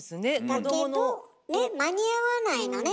だけど間に合わないのね